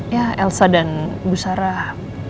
ya elsa dan bu sarah